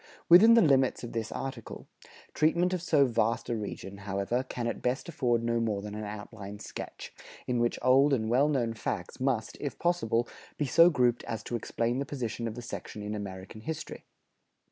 Within the limits of this article, treatment of so vast a region, however, can at best afford no more than an outline sketch, in which old and well known facts must, if possible, be so grouped as to explain the position of the section in American history.